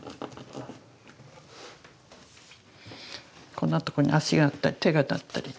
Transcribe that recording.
こんなとこに足があったり手があったり。